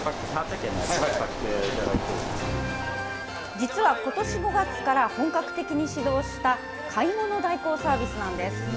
実はことし５月から本格的に始動した、買い物代行サービスなんです。